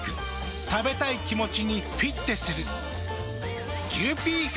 食べたい気持ちにフィッテする。